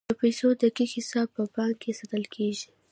د پیسو دقیق حساب په بانک کې ساتل کیږي.